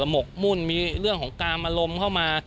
หกมุ่นมีเรื่องของกามอารมณ์เข้ามา